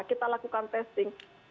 kita lakukan testing